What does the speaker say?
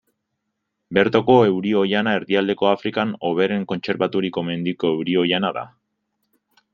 Bertoko euri-oihana erdialdeko Afrikan hoberen kontserbaturiko mendiko euri-oihana da.